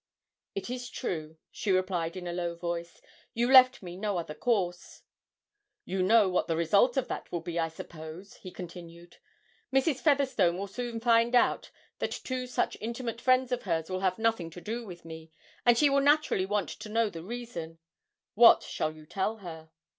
'It is true,' she replied in a low voice; 'you left me no other course.' 'You know what the result of that will be, I suppose?' he continued. 'Mrs. Featherstone will soon find out that two such intimate friends of hers will have nothing to do with me, and she will naturally want to know the reason. What shall you tell her?'